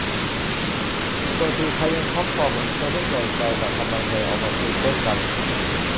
ส่วนสื่อไทยยังท็อปฟอร์มเหมือนเคย ไม่แปลกใจละทำไมแห่ออกมาซูเปอร์กัน